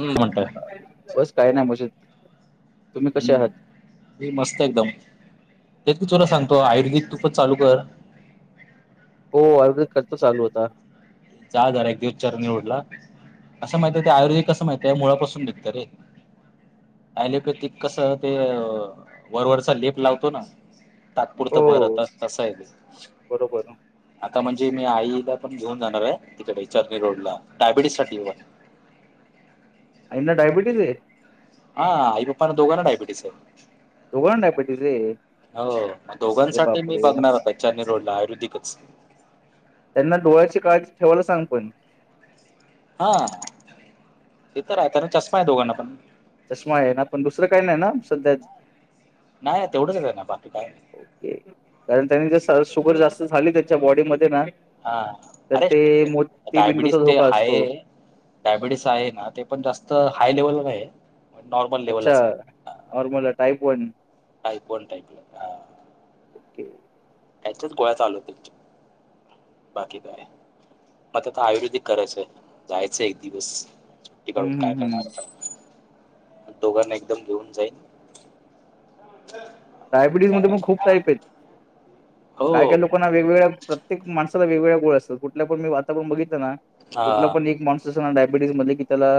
हम् म्हणटात. बस काही नाही म्हज हम्म मस्त एकदम त्यात क चुला सांगतो आयुर्वेिक तुपच चालू कर. हो आयुर्वेदिक खर्च चालू होता. च आजार एक दिवचार निवडला. असं माहित आहे ते आयर्वेदिक कं माहितय आहे मुळापासून बघत रे. आलेपैती कसं ते वरवरचा लेप लावतो ना. तात्पुरतं बरं हो होता तसं आहे. बरोबर आहे. आता म्हणजे मी आईला पण घेऊन जाणार आहे तिकडे चर्णी रोड ला डायबिटीस साठी. आणि ना डयबिटीस आहे. हा आई पप्पा न दोघा ना ायबिटस आहे. दुगण डयबिटीस आहे हो अरे दोघांसाठी मी बापरे! बघणार होता चेन रडला आयुर्वेदिकच त्यांना डोळ्याची काळजी ठेवायला सांग पण हा ते तर आहे त्या चष्मा आहे दोघांना पण, चष्मा आहे ना पण दुसरं काही नाही ना सध्या नाही तेवढंच ना बाकी काय ओके. कारण त्यांनी शुगर जास्त झाली त्याच्या बॉडीमध्ये ना. हा तर अरे ते मोती बिंदूचा डायबिटीस ते धोका हाय असतो. डायबिटीस आहे ना ते पण जास्त हाय लेवलवर नाही ये. अच्छा normal type one type one टईपला ह. त्याच गोळ्या चालू होतील. बाकी काय मग आता आयुर्वेदिक करायचंय जायचंय एक दिवस ून हम्म हम्म काय हम्म. करणार आप दोघांना एकदम घेऊन जाईन. डायबिटीज मध्ये मग खूप टाईप आहेत काय हो काय लोक पण वेगवेगळ्या प्रत्येक माणसाला वेगवेगळ्या गोळ्या असतात कुठल्या पण मी वातावरण बघितलं ना हा कुठला पण एक माणूस डायबिटीस मध्ये की त्याला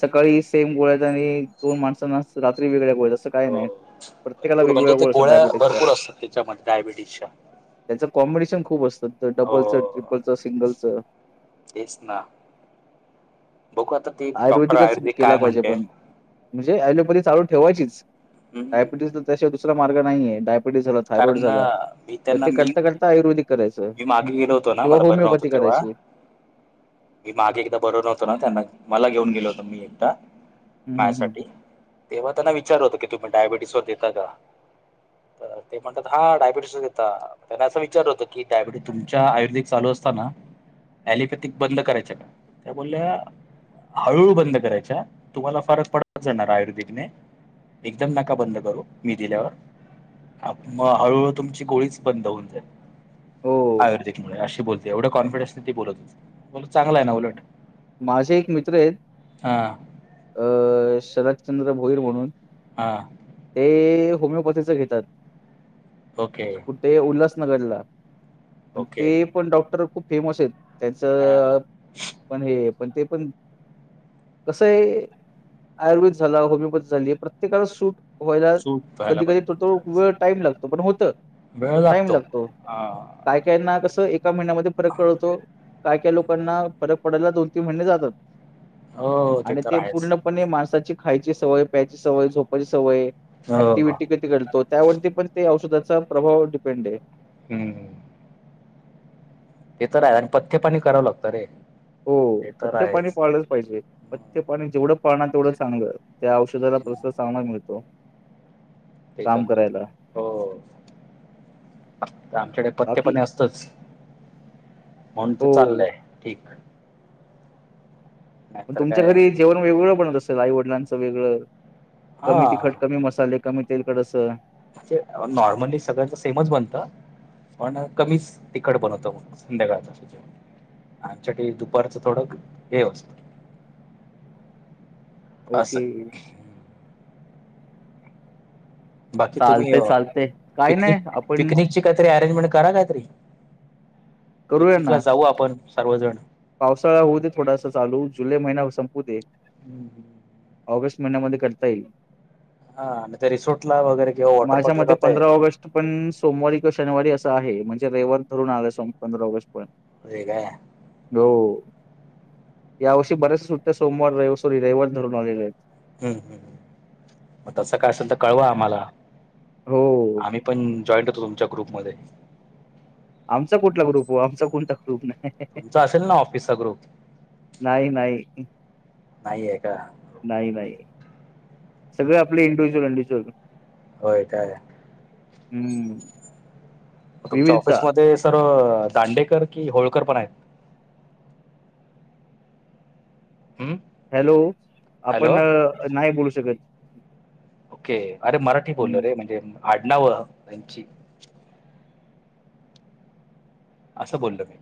सकाळी सेम गोळ्या आणि दोन माणसना तर रात वेगळ्या ग असं काही हो नाही. प्रत्येकाला भरपूर वेगवेगळ्या म्हणजे ते असतात गोळ्या डायबिटीजच्या भरपूर असतात त्याच्यामध्ये डायबिटीजच्या त्याचं कॉम्बिनेशन खूप असतं तर डबलचं ट्रिपलचं सिंगलचं तेस ना बघू आता ते डॉक्टर आयुर्वेदिकच आयुर्वेदिक केला काय पाहिजे म्हणते पण म्हणजे लिोपथ चाू ठेवायच हम्म डायबिटीज तर दुसरा मार्ग नाही आहे डाय डायबिटीस झाला, थायरॉईड कारण झाला मी त्यांना मी करता करता, आयुर्वेदिक करायचं मी मागे गेलो होतो ना मला बरं नव्हतं होमिओपॅथिक तेव्हा करायची. मी मागे एकदा बरोर नव्हतो ना त्यांना मला घेऊन गेलो होत मी एकदा हम्म हम्म हम्म मायासाठी तेव्हा त्यांना विचार होत की तुम्ही डायबेटीसवर देता का तर ते म्हणतात हा डायबिटीसच येतता त्याना असा विचार होतं, की डायबिटीस तुमच्या आयुर्वेदिक चाल असताना लिपॅथिक बदल करायच का त्या बोलल्या. हळूहळू बंद करायच्या तुम्हाला फारक पडत जाणार आयुर्वेदिकने एकदम नका बंद करू मी दिल्यावर आप मग हळूहळू तुमची गोळीच बंद होऊन जाईल हो आयुर्वेदिक मुळे अशी बोलते. तेवढं कॉन्फिडन्स ती बोलतच नाही. बरं चांगला आहे ना उलट माझे एक मित्र आहेत हा. अ शरदचंद्र भोईर म्हणून हां. ते होमिओपॅथीच घेतात. ओके. ते उल्हासनगरला पण ओके ते पण डॉक्टर खूप फेमस आहेत. त्यांच हा पण हे पण ते पण कसं आहे आयुर्वेद झाला होमिओपॅथी झाली प्रत्येकाला सूट व्हायला चूक व्हायला कधी कधी पाहिजे थोडथो तरच. वेळ टाईम लागतो पण होत. वेळ लागतो ह. काय कायना कसं एका महिन्यामध्ये फरक कळतो काय काय लोकांना फरक पडला दोन तीन महिने जातात हो आणि तर ते आहेच पूर्ण ण माणसाची खायची सवय प्यायची सवय झोपायची सवय हो ऍक्टिव्हटी तो त्यावरती पण ते औषधाचा प्रभाव डिपेंड आहे. हम्म ते तर आहे आणि पथ्य पाणी करावं लागतं रे. हो ते तर पथ्य पाणी आहेच पाळलंच पाहिजे पथ्य पाणी जेवढं पाळणार तेवढं चांगलं. त्या औषधाला प्रससा सामान मिळतो. तेच काम अनुत करायला. हो. आमच्याकडे बाकी पत्तेपणे असतंच. म्हणून ते हो चाललंय ठीक. पण नाहीतर तुमच्या काय घरी जेवण वेगळं बनवत असेल आई वडिलांचं वेगळं हा कमी तिखट कमी मसाले कमी तेलकड असं. नॉर्मली सगळ्यांच सेमच बनत. पण कमीच तिखट बनवतो संध्याकाळच जेवण आमच्याकडे दुपारचं थोडं हे असतं. असं ओके. बाकी तुम्ही चालतंय चालतंय. काही पिकनिक नाही आपण पिकनिकची काहीतरी अरेंजमेंट करा काहीतरी करूया पिकनिकला ना जाऊ आपण सर्वजण पावसाळा होऊ दे थोडासा चालू जुलै महिना संपू दे. हम्. ऑगस्ट महिन्यामध्ये करता येईल. हा आणि ते रिसोर्ट ला वगैरे किंवा वॉटर माझ्या पार्क ला मते जाता येईल. पंधरा ऑगस्ट पण सोमवारी किंवा शनिवारी असं आहे म्हणजे रविवार धरून आलं सप पंधरा ऑगस्ट पर्यंत होय काय? हो यावर्षी बऱ्याच सुटत्या सोमवार रविवार सॉरी रविवार धरून आलेल्या आहेत. हम् हम् मग तसं काय असेल तर कळवा आम्हाला हो आम्ही पण जॉईंट होतो तुमच्या ग्रुपमध्ये आमचा कुठला ग्रुप हो आमचा कोणता ग्रुप नाही. तुमचा असेल ना ऑफिसचा ग्रुप नाही नाही नाही आहे का? ओके नाही नाही ओके. सगळे आपले इंडिव्हज्युअल एंडिच्युअल होय काय? हम्म. तुमच्या विविधता ऑफिसमध्ये सर दांडेकर कि होळकर पण आहेत. हम्म. हॅलो आपण नाही बोलू शकत. ओके अरे मराठी हम्म. बोलो रे म्हणजे आडनांव यांची असं बोलो मी